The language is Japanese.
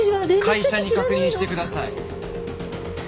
会社に確認してください。